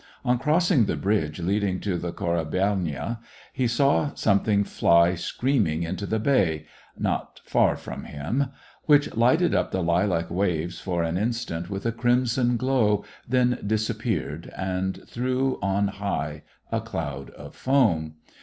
On cross ing the bridge leading to the Korabelnaya, he saw something fly screaming into the bay, not far from him, which lighted up the lilac waves for an in stant with a crimson glow, then disappeared, and threw on high a cloud of foam.